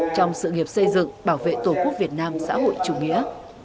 trong sự nghiệp xây dựng bảo vệ tổ quốc việt nam xã hội chủ nghĩa